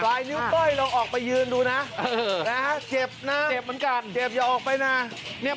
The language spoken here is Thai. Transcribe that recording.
มานะเก็บนะเก็บจะออกไว้นะ